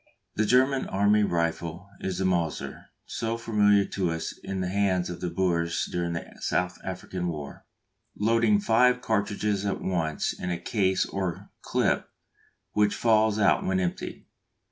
The German army rifle is the Mauser, so familiar to us in the hands of the Boers during the South African War loading five cartridges at once in a case or "clip" which falls out when emptied.